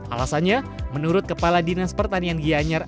alasannya menurut kepala dinas pertanian gianyar